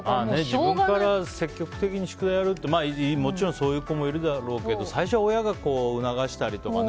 自分から積極的に宿題やるってまあ、もちろんそういう子もいるだろうけど最初は親が促したりとかね。